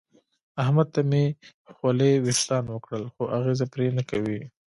احمد ته مې خولې وېښتان وکړل خو اغېزه پرې نه کوي.